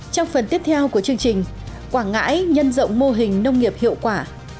trong phần tiếp theo của chương trình quảng ngãi nhân rộng mô hình nông nghiệp hiệu quả